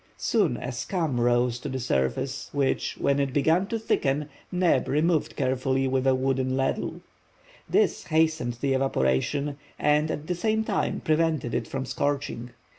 Soon a scum rose to the surface, which, when it began to thicken, Neb removed carefully with a wooden ladle. This hastened the evaporation, and at the same time prevented it from scorching.